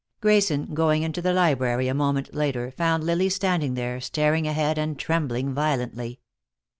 Grayson, going into the library a moment later, found Lily standing there, staring ahead and trembling violently.